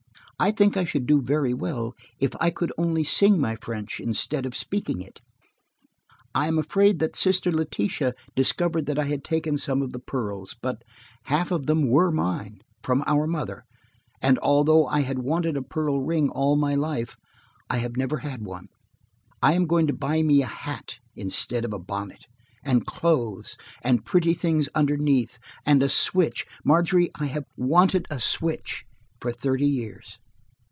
I think I should do very well if I could only sing my French instead of speaking it. "I am afraid that Sister Letitia discovered that I had taken some of the pearls. But–half of them were mine, from our mother, and although I had wanted a pearl ring all my life, I have never had one. I am going to buy me a hat, instead of a bonnet, and clothes, and pretty things underneath, and a switch; Margery, I have wanted a switch for thirty years.